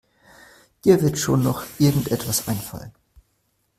Dir wird schon noch irgendetwas einfallen.